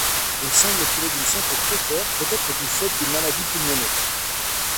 Il semble qu'il est d'une santé précaire peut-être du fait d'une maladie pulmonaire.